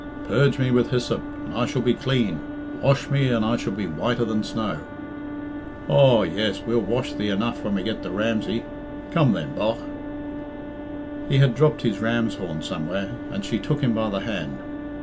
"'Purge me with hyssop, and I shall be clean; wash me, and I shall be whiter than snow.'" "Aw, yes, we'll wash thee enough when we get to Ramsey. Come, then, bogh." He had dropped his ram's horn somewhere, and she took him by the hand.